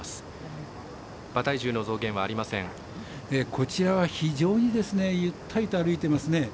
こちらは非常にゆったり歩いていますね。